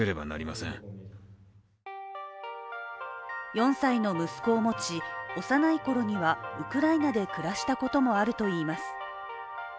４歳の息子を持ち、幼いころにはウクライナで暮らしたこともあるといいます。